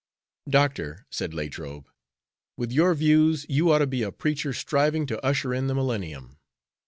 "Doctor," said Latrobe, "with your views you ought to be a preacher striving to usher in the millennium."